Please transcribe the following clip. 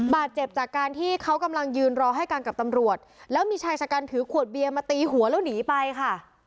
บาดเจ็บจากการที่เขากำลังยืนรอให้กันกับตำรวจแล้วมีชายชะกันถือขวดเบียร์มาตีหัวแล้วหนีไปค่ะ